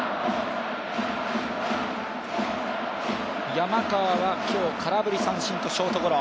山川は今日、空振り三振とショートゴロ。